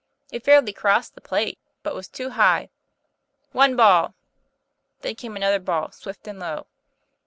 It fairly crossed the plate, but was too high. "One ball." Then came another ball, swift and low.